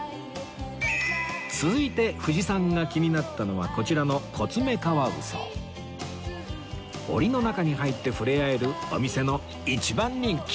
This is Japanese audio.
続いて藤さんが気になったのはこちらの檻の中に入って触れ合えるお店の一番人気